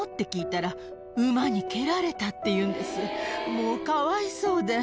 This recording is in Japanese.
もうかわいそうで。